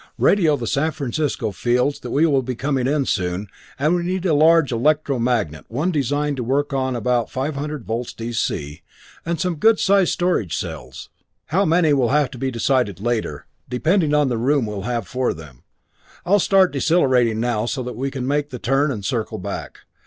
Radio the San Francisco fields that we will be coming in soon, and we need a large electro magnet one designed to work on about 500 volts D.C., and some good sized storage cells; how many will have to be decided later, depending on the room we will have for them. I'll start decelerating now so we can make the turn and circle back.